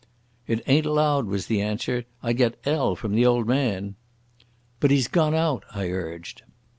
"It ain't allowed," was the answer. "I'd get 'ell from the old man." "But he's gone out," I urged.